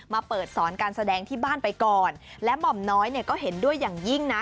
มาเปิดสอนการแสดงที่บ้านไปก่อนและหม่อมน้อยเนี่ยก็เห็นด้วยอย่างยิ่งนะ